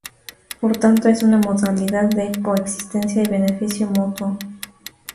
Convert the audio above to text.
Por tanto, es una modalidad de coexistencia y beneficio mutuo.